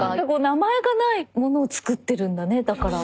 名前がないものを作ってるんだねだから。